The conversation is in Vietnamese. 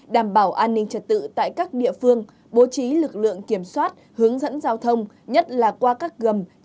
đảm bảo an ninh trật tự tại các địa phương bố trí lực lượng kiểm soát hướng dẫn giao thông